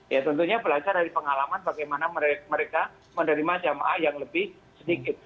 ya tentunya belajar dari pengalaman bagaimana mereka menerima jamaah yang lebih sedikit